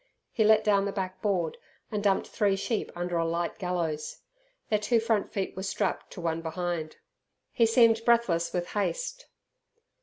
He let down the backboard and dumped three sheep under a light gallows. Their two front feet were strapped to one behind. He seemed breathless with haste.